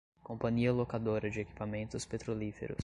Companhia Locadora de Equipamentos Petrolíferos